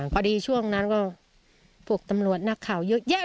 ช่วงนั้นก็พวกตำรวจนักข่าวเยอะแยะ